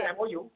kita sudah mou